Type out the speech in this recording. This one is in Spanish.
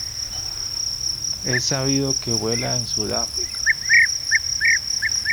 Es sabido que vuela en Sudáfrica.